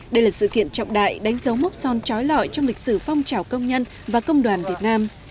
đây là sự kiện trọng đại đánh dấu mốc son trói lọi trong lịch sử phong trào công nhân và công đoàn việt nam